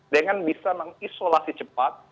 dengan bisa mengisolasi cepat